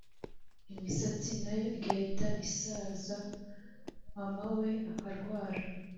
Imisatsi nayo igahita isaza mamawe akarwara